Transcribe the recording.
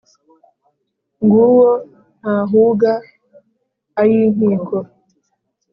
ng’uwo ntahuga ay’inkiko